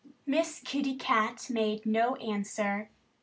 Miss Kitty Cat made no answer.